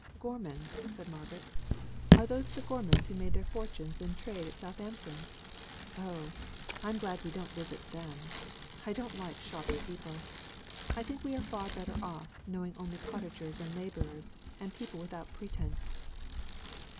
"Gormons," said Margaret, "Are those the Gormons who made their fortunes in trade at Southampton? Oh! I'm glad we don't visit them. I don't like shoppy people. I think we are far better off, knowing only cottagers and labourers, and people without pretence."